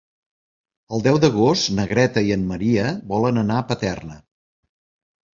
El deu d'agost na Greta i en Maria volen anar a Paterna.